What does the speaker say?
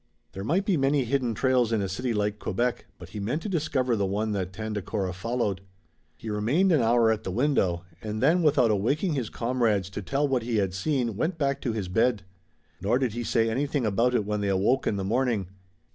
There might be many hidden trails in a city like Quebec, but he meant to discover the one that Tandakora followed. He remained an hour at the window, and then without awaking his comrades to tell what he had seen went back to his bed. Nor did he say anything about it when they awoke in the morning.